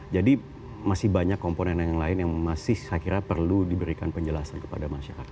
jadi masih banyak komponen yang lain yang masih saya kira perlu diberikan penjelasan kepada masyarakat